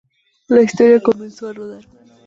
La historia comenzó a rodar.